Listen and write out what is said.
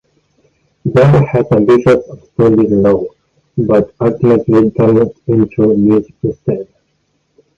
Dall had ambitions of studying law, but ultimately turned to music instead.